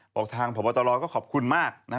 บอกทางผัวบัตรวรรภ์ฯก็ขอบคุณมากนะฮะ